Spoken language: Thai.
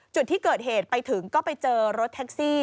จุดที่เกิดเหตุไปถึงก็ไปเจอรถแท็กซี่